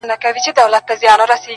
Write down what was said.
• ځه پرېږده وخته نور به مي راويښ کړم .